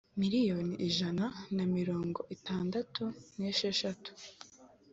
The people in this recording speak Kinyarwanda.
miliyoni ijana na mirongo itandatu n esheshatu